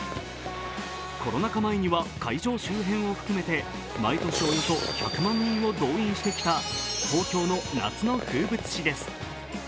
コロナ禍前には会場周辺を含めて毎年およそ１００万人を動員してきた東京の夏の風物詩です。